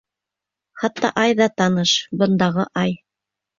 Хатта ай ҙа таныш, бындағы ай.